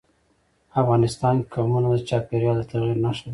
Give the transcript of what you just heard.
افغانستان کې قومونه د چاپېریال د تغیر نښه ده.